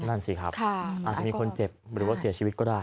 นั่นสิครับอาจจะมีคนเจ็บหรือว่าเสียชีวิตก็ได้